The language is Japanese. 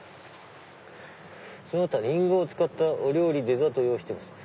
「その他リンゴを使ったお料理デザートご用意してます」。